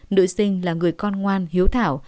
nữ sinh là người con ngoan hiếu thảo